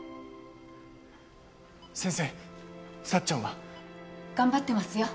先生さっちゃんは？頑張っていますよ！